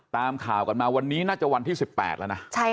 ตามข่าวกันมาวันนี้น่าจะวันที่๑๘แล้วนะ